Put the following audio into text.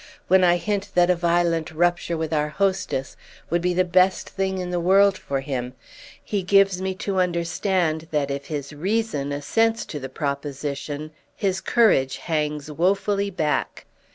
When I hint that a violent rupture with our hostess would be the best thing in the world for him he gives me to understand that if his reason assents to the proposition his courage hangs woefully back.